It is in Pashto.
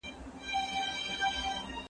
زه به سبا کتابونه وليکم!!!!